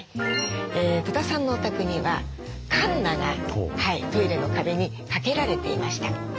戸田さんのお宅にはかんながトイレの壁に掛けられていました。